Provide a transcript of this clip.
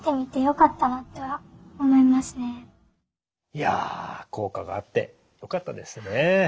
いや効果があってよかったですね。